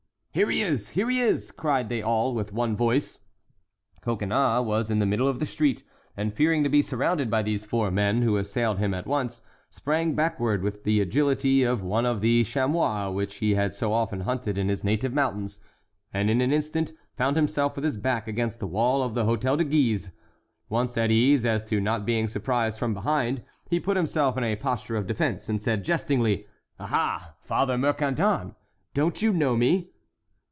"Here he is! here he is!" cried they all, with one voice. Coconnas was in the middle of the street, and fearing to be surrounded by these four men who assailed him at once, sprang backward with the agility of one of the chamois which he had so often hunted in his native mountains, and in an instant found himself with his back against the wall of the Hôtel de Guise. Once at ease as to not being surprised from behind he put himself in a posture of defence, and said, jestingly: "Aha, father Mercandon, don't you know me?"